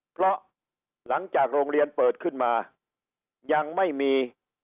เพราะหลังจากโรงเรียนเปิดขึ้นมายังไม่มี